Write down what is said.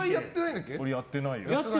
やってないよ。